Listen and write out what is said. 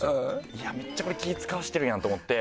めっちゃこれ気使わせてるやんと思って。